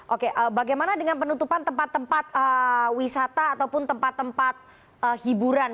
oke bagaimana dengan penutupan tempat tempat wisata ataupun tempat tempat hiburan